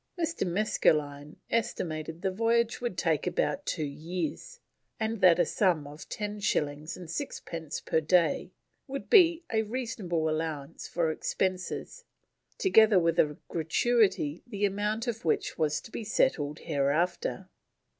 Mr. Maskelyne estimated the voyage would take about two years, and that a sum of ten shillings and six pence per day would be a reasonable allowance for expenses, together with a gratuity the amount of which was to be settled hereafter.